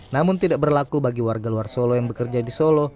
namun tidak berlaku bagi warga luar solo yang bekerja di solo